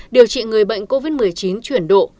điều trị người bệnh covid một mươi chín chuyển độ